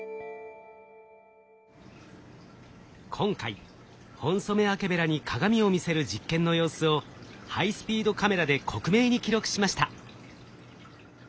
今回ホンソメワケベラに鏡を見せる実験の様子をハイスピードカメラで克明に記録しました。